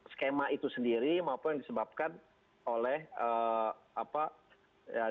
skema itu sendiri maupun yang disebabkan oleh apa yang